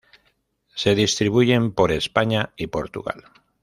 Se distribuyen por España y Portugal.